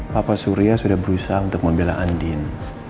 bapak surya sudah berusaha untuk membela andin